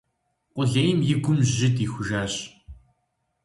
Къулейм и гум жьы дихужащ.